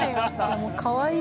いやもうかわいい。